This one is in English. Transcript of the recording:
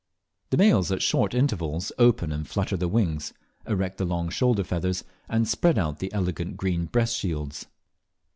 The males at short intervals open and flutter their wings, erect the long shoulder feathers, and spread out the elegant green breast shields.